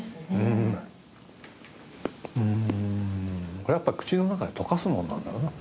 これやっぱ口の中で溶かすもんなんだろうな。